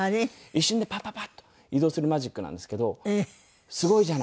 一瞬でパッパッパッと移動するマジックなんですけどすごいじゃないですか。